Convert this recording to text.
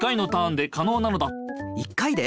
１回で？